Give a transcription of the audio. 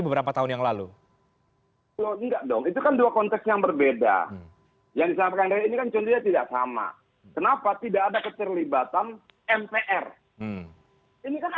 tapi kalau penundaannya sampai dua ribu dua puluh tujuh seperti yang digaungkan